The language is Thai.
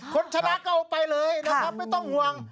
คนชนะก็เอาไปเลยนะครับไม่ต้องห่วง